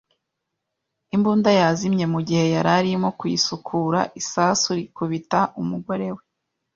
Imbunda yazimye mu gihe yari arimo kuyisukura, isasu rikubita umugore we.